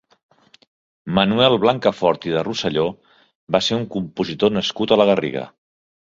Manuel Blancafort i de Rosselló va ser un compositor nascut a la Garriga.